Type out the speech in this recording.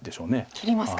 切りますか。